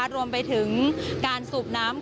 รวมไปถึงการสูบน้ำ